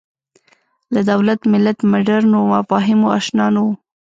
له دولت ملت مډرنو مفاهیمو اشنا نه وو